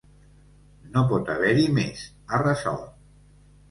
No pot haver-hi més, ha resolt.